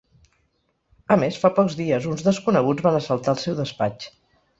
A més, fa pocs dies uns desconeguts van assaltar el seu despatx.